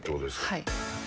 はい。